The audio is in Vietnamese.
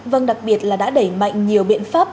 vâng đặc biệt là đã đẩy mạnh nhiều biện pháp